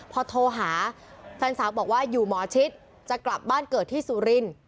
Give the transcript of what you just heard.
พอโทรหาแฟนสาวบอกว่าอยู่หมอชิดจะกลับบ้านเกิดที่สุรินทร์